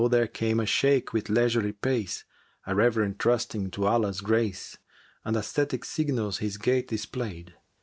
there came a Shaykh with leisurely pace * A reverend trusting to Allah's grace, And ascetic signals his gait display'd.